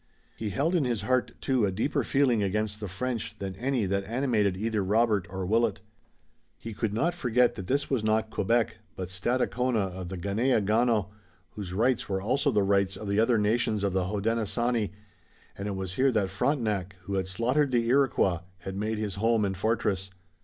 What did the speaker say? He held in his heart, too, a deeper feeling against the French than any that animated either Robert or Willet. He could not forget that this was not Quebec, but Stadacona of the Ganeagaono, whose rights were also the rights of the other nations of the Hodenosaunee, and it was here that Frontenac, who had slaughtered the Iroquois, had made his home and fortress.